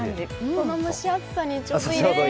この蒸し暑さにちょうどいいですね。